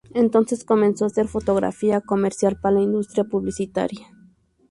Entonces comenzó a hacer fotografía comercial para la industria publicitaria.